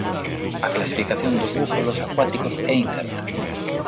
A clasificación dos búfalos acuáticos é incerta.